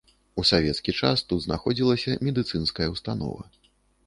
У савецкі час тут знаходзілася медыцынская ўстанова.